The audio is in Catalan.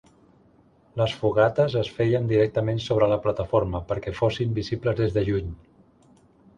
Les fogates es feien directament sobre la plataforma, perquè fossin visibles des de lluny.